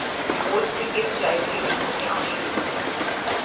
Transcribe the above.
بوجھ سے گر جائے کوئی حکمت عملی نہیں